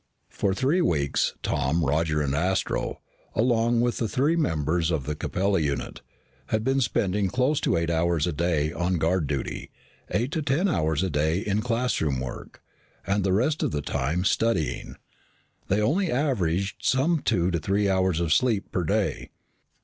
For three weeks, Tom, Roger, and Astro, along with the three members of the Capella unit, had been spending close to eight hours a day on guard duty, eight to ten hours a day in classroom work, and the rest of the time studying. They only averaged some two to three hours of sleep per day.